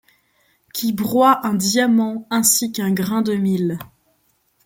Qui broie un diamant ainsi qu'un grain de mil